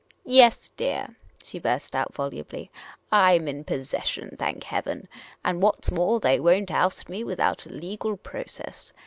" Yes, dear," .she burst out volubly, " I 'm in po.sse.ssion, thank Heaven! And what 's more, they won't oust me without a legal process.